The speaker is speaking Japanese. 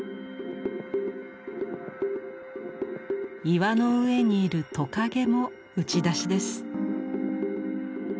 岩の上にいるトカゲも打ち出しです。